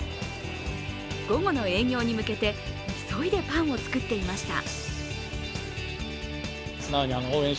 午後の営業に向けて急いでパンを作っていました。